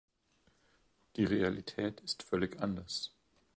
Die Realität ist völlig anders.